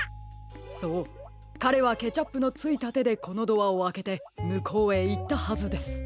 そうかれはケチャップのついたてでこのドアをあけてむこうへいったはずです。